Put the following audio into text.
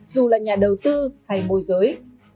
dù là nhà đầu tư hay môi giới